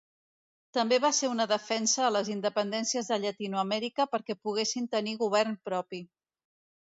També va ser una defensa a les independències de Llatinoamèrica perquè poguessin tenir govern propi.